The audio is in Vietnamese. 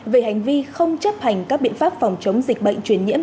về hành vi không chấp hành các biện pháp phòng chống dịch bệnh truyền nhiễm